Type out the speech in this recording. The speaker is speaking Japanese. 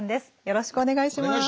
よろしくお願いします。